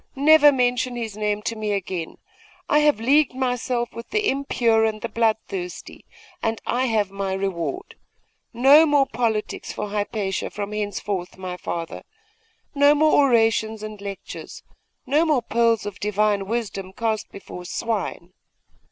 never mention his name to me again! I have leagued myself with the impure and the bloodthirsty, and I have my reward! No more politics for Hypatia from henceforth, my father; no more orations and lectures; no more pearls of Divine wisdom cast before swine.